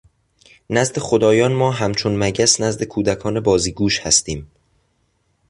نزد خدایان ما همچون مگس نزد کودکان بازیگوش هستیم.